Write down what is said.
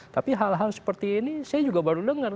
tapi hal hal seperti ini saya juga baru dengar